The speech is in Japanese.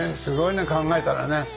すごいね考えたらね。